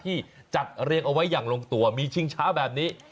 ที่จัดเรียงเอาไว้อย่างลงตัวมีชิงช้าแบบนี้